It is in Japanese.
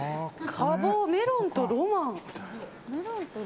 果房メロンとロマン。